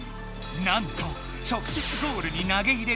なんと直せつゴールに投げ入れる